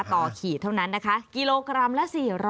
ต่อขีดเท่านั้นนะคะกิโลกรัมละ๔๐๐